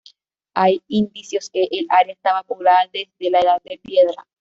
Hay indicios que el área estaba poblada desde la edad de piedra.